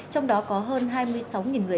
trong đó có hơn hai mươi sáu người